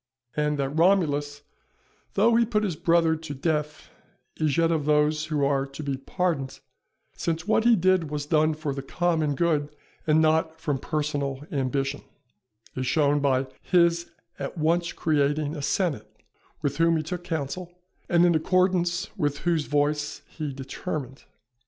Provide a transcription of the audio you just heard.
And that Romulus, though he put his brother to death, is yet of those who are to be pardoned, since what he did was done for the common good and not from personal ambition, is shown by his at once creating a senate, with whom he took counsel, and in accordance with whose voice he determined.